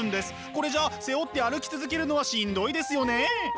これじゃ背負って歩き続けるのはしんどいですよね。